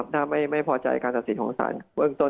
ถ้าไม่พอใจการตัดสินของสารเบื้องต้น